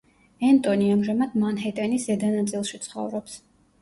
ენტონი ამჟამად მანჰეტენის ზედა ნაწილში ცხოვრობს.